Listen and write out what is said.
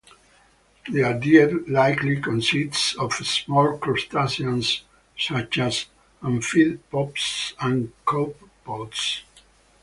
Their diet likely consists of small crustaceans such as amphipods and copepods.